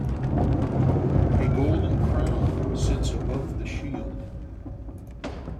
A golden crown sits above the shield.